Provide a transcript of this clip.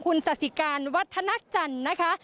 คุณสาธิการวัฒนจันทร์นะคะ